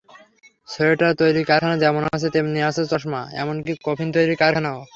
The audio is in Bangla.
সোয়েটার তৈরির কারখানা যেমন আছে, তেমনি আছে চশমা, এমনকি কফিন তৈরির কারখানাও।